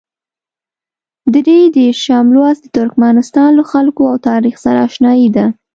درې دېرشم لوست د ترکمنستان له خلکو او تاریخ سره اشنايي ده.